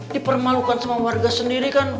dipermalukan sama warga sendiri kan